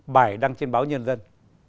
bài đăng trên báo nhân dân